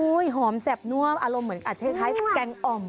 อุ้ยหอมแซ่บนั่วอารมณ์เหมือนอาจจะคล้ายแกงอ่อม